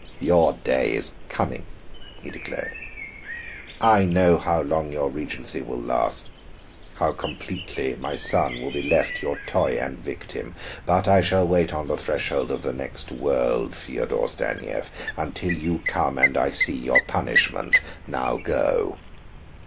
'Your day is coming,' he declared. 'I know how long your regency will last, how completely my son will be left your toy and victim. But I shall wait on the threshold of the next world, Feodor Stanief, until you come and I see your punishment. Now go.'